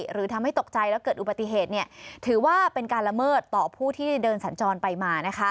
หรือทำให้ตกใจแล้วเกิดอุบัติเหตุถือว่าเป็นการละเมิดต่อผู้ที่เดินสัญจรไปมา